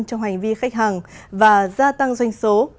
trong hành vi khách hàng và gia tăng doanh số